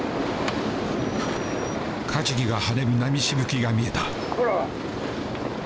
カジキが跳ねる波しぶきが見えた。